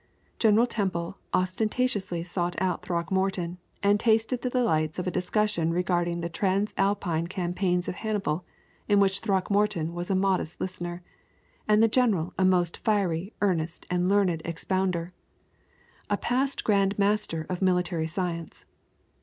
General Temple ostentatiously sought out Throckmorton, and tasted the delights of a discussion regarding the trans Alpine campaigns of Hannibal, in which Throckmorton was a modest listener, and the general a most fiery, earnest, and learned expounder a past grand master of military science.